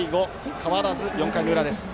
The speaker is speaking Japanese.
変わらず４回の裏です。